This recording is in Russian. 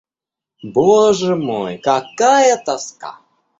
Боже мой, какая тоска!